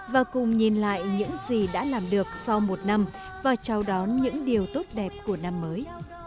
và cùng nhìn lại những gì đã làm được sau một năm và chào đón những điều tốt đẹp của năm mới